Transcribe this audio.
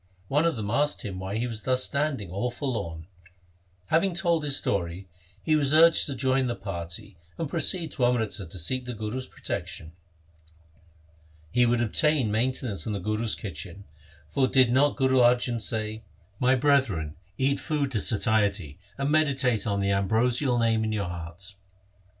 One of them asked him why he was thus stand ing all forlorn. Having told his story, he was urged to join the party and proceed to Amritsar to seek the Guru's protection. He would obtain mainten ance from the Guru's kitchen, for did not Guru Arjan say :— My brethren, eat food to satiety, And meditate on the ambrosial Name in your hearts.